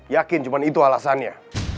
yakin cuma itu alasannya